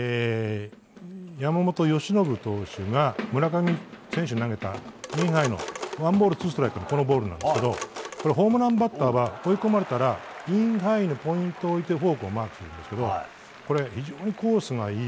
山本由伸投手が村上選手に投げたインハイのワンボールツーストライクのボールですけどホームランバッターは追い込まれたらインハイにポイントを置いてフォークをマークするんですが非常にコースがいい。